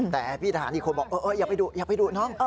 แต่พี่ทหารอีกคนบอกอย่าไปดุอย่าไปดุน้อง